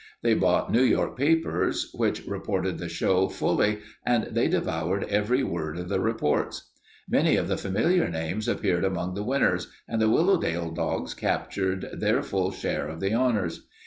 They bought New York papers which reported the show fully, and they devoured every word of the reports. Many of the familiar names appeared among the winners, and the Willowdale dogs captured their full share of the honors.